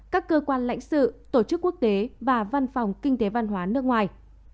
các cơ quan lãnh sự tổ chức quốc tế và văn phòng kinh tế văn hóa nước ngoài